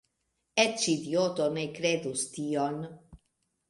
Eĉ idioto ne kredus tion."